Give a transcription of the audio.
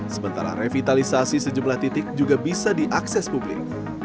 sementara revitalisasi sejumlah titik juga bisa diakses publik